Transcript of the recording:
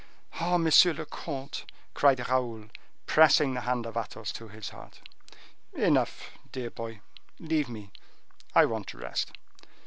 "Ah! monsieur le comte!" cried Raoul, pressing the hand of Athos to his heart. "Enough, dear boy, leave me; I want rest.